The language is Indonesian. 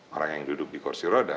orang yang duduk di kursi roda